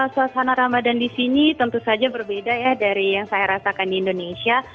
suasana ramadan di sini tentu saja berbeda ya dari yang saya rasakan di indonesia